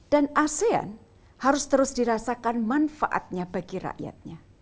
dan asean harus terus dirasakan manfaatnya bagi rakyatnya